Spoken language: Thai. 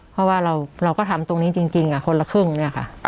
เพราะว่าเราก็ทำตรงนี้จริงคนละครึ่งเนี่ยค่ะ